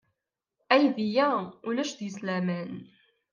Aydi-a ulac deg-s laman.